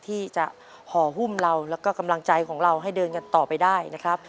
ที่จะห่อหุ้มเราแล้วก็กำลังใจของเราให้เดินกันต่อไปได้นะครับ